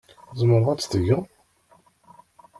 Tzemreḍ ad t-tgeḍ?